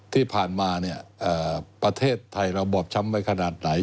ที่ผ่านมาเนี่ยประเทศไทยเราบอบช้ำไปขนาดไหน